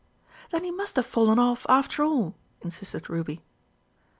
"Then he must have fallen off after all," insisted Ruby.